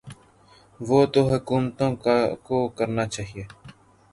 وہ تو حکومتوں کو کرنا چاہیے۔